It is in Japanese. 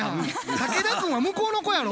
竹田くんは向こうの子やろ。